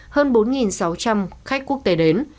hơn bốn sáu trăm linh khách quốc tế đến